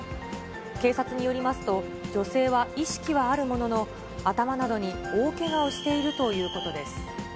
警察によりますと、女性は意識はあるものの、頭などに大けがをしているということです。